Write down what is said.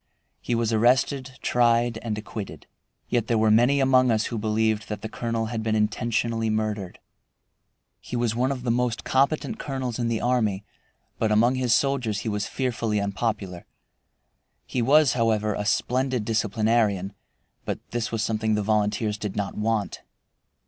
He was arrested, tried, and acquitted. Yet there were many among us who believed that the colonel had been intentionally murdered. He was one of the most competent colonels in the army, but among his soldiers he was fearfully unpopular. He was, however, a splendid disciplinarian, but this was something the volunteers did not want.